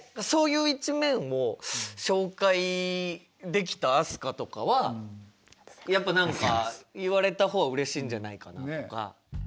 そういう一面も紹介できた飛鳥とかはやっぱ何か言われた方はうれしいんじゃないかなとか。